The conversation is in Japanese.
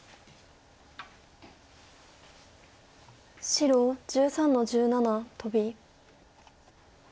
白１３の十七トビ。